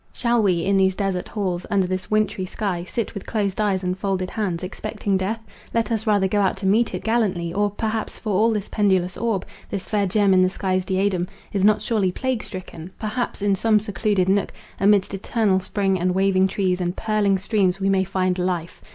Shall we, in these desart halls, under this wintry sky, sit with closed eyes and folded hands, expecting death? Let us rather go out to meet it gallantly: or perhaps—for all this pendulous orb, this fair gem in the sky's diadem, is not surely plague striken—perhaps, in some secluded nook, amidst eternal spring, and waving trees, and purling streams, we may find Life.